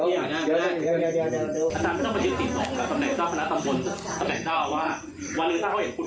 นี่อย่างมัภยเตรียมกรรมสำบกับอัตถึงการช่วยดีตรองหนึ่ง